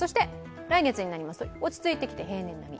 来月になりますと落ち着いてきて平年並み。